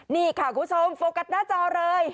นี่ค่ะคุณผู้ชมโฟกัสหน้าจอเลย